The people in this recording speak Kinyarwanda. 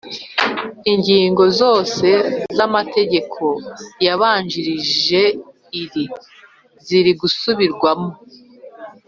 Ingingo zose z’ Amateka yabanjirije iri ziri gusubirwamo